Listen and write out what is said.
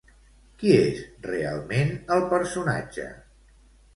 Qui és realment el personatge?